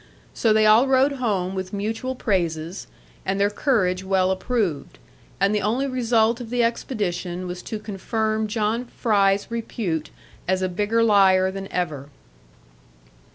So they all rode home with mutual praises, and their courage well approved; and the only result of the expedition was to confirm John Fry's repute as a bigger liar than ever.